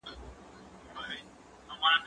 زه بايد ليکنې وکړم!